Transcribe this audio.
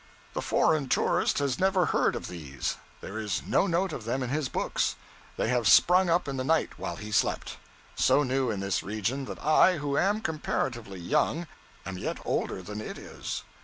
The foreign tourist has never heard of these; there is no note of them in his books. They have sprung up in the night, while he slept. So new is this region, that I, who am comparatively young, am yet older than it is.